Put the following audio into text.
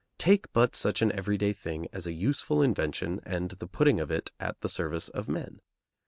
Take but such an everyday thing as a useful invention and the putting of it at the service of men.